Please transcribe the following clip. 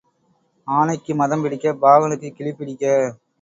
ஆனைக்கு மதம் பிடிக்க, பாகனுக்குக் கிலி பிடிக்க.